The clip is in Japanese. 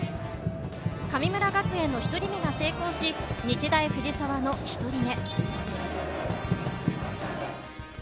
神村学園の１人目が成功し、日大藤沢の１人目。